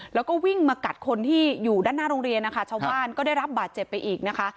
แล้วก็วิ่งมากัดคนที่อยู่ด้านหน้าโรงเรียนนะคะชาวบ้านก็ได้รับบาดเจ็บไปอีกนะคะ